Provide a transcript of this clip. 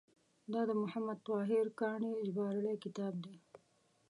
دا د محمد طاهر کاڼي ژباړلی کتاب دی.